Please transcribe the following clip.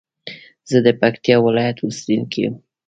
زه د پکتيا ولايت اوسېدونکى يم.